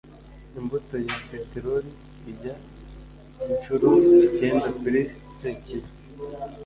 imbuto ya peteroli ijya inshuro icyenda kuri sekibi